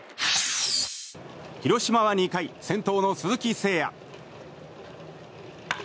広島は２回先頭の鈴木誠也。